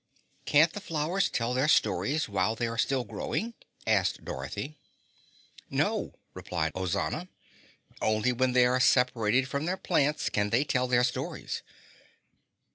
"Can't the flowers tell their stories while they are still growing?" asked Dorothy. "No," replied Ozana. "Only when they are separated from their plants can they tell their stories."